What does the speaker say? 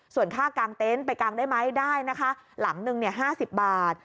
ส่วนค่ากางเต็นต์ไปกางได้ไหมได้นะคะหลังหนึ่ง๕๐บาท